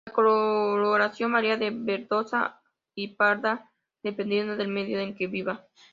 La coloración varia de verdosa a parda dependiendo del medio en que viva.